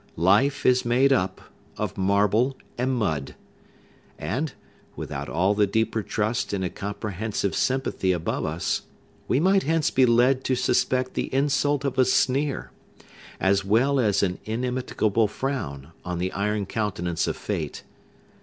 Life is made up of marble and mud. And, without all the deeper trust in a comprehensive sympathy above us, we might hence be led to suspect the insult of a sneer, as well as an immitigable frown, on the iron countenance of fate.